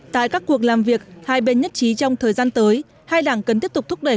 tại các cuộc làm việc hai bên nhất trí trong thời gian tới hai đảng cần tiếp tục thúc đẩy